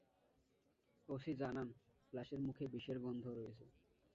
OC জানান, লাশের মুখে বিষের গন্ধ রয়েছে।